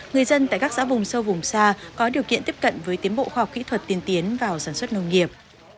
người dân tại các xã vùng sâu vùng xa có điều kiện tiếp cận với tiến bộ khoa học kỹ thuật tiên tiến vào sản xuất nông nghiệp